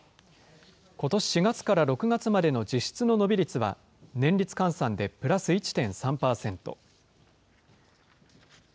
ことし４月から６月までの実質の伸び率は、年率換算でプラス１．３％。